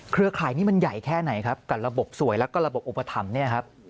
เครือข่ายนี้มันใหญ่แค่ไหนครับกับระบบสวยแล้วก็ระบบอุปถัมภ์เนี่ยครับ